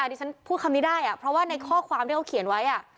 ดิฉันพูดคำนี้ได้เพราะว่าในข้อความที่เขาเขียนไว้